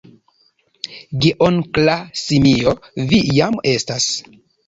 Geonkla simio: "Vi jam estas!"